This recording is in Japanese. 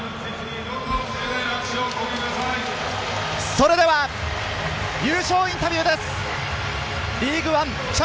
それでは優勝インタビューです。